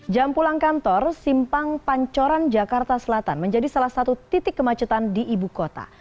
jam pulang kantor simpang pancoran jakarta selatan menjadi salah satu titik kemacetan di ibu kota